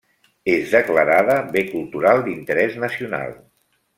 És declarada bé cultural d'interès nacional.